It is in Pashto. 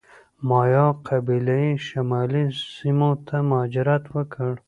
مایا قبیلې شمالي سیمو ته مهاجرت وکړ.